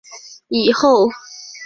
怎么我们家的米那么难吃